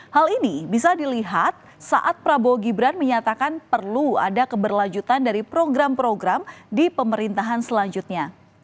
hal ini bisa dilihat saat prabowo gibran menyatakan perlu ada keberlanjutan dari program program di pemerintahan selanjutnya